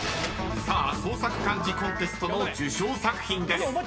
［さあ創作漢字コンテストの受賞作品です］